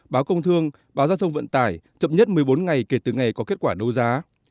báo công thương báo giao thông vận tải chậm nhất một mươi bốn ngày kể từ ngày có kết quả đấu giá